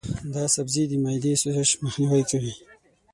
دا سبزی د معدې د سوزش مخنیوی کوي.